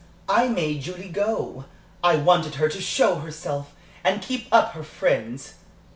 I made Julie go. I wanted her to show herself, and keep up her friends.